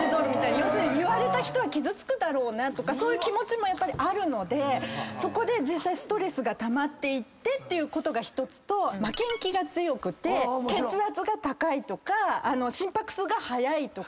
要するに言われた人傷つくだろうなとかそういう気持ちもあるのでそこで実際ストレスがたまっていってっていうことが１つと負けん気が強くて血圧が高いとか心拍数が早いとか。